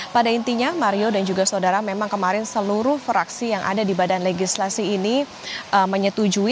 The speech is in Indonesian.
pada intinya mario dan juga saudara memang kemarin seluruh fraksi yang ada di badan legislasi ini menyetujui